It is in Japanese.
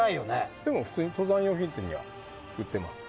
でも、登山用品店には売っています。